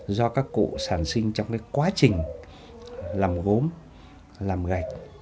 do các cụ sản sinh trong quá trình làm gốm làm gạch